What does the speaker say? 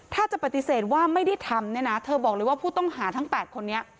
ถ้าจะปฏิเสธว่าไม่ได้ทำเนี่ยนะเธอบอกเลยว่าผู้ต้องหาทั้ง๘คนนี้